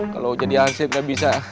kalo jadi asib gak bisa